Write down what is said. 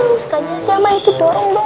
ustazah siapa itu dorong dorong